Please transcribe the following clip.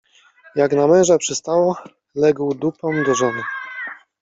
Jak na męża przystało, legł dupą do żony.